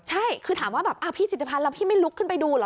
ใช่คือถามว่าแบบพี่จิติพันธ์แล้วพี่ไม่ลุกขึ้นไปดูเหรอ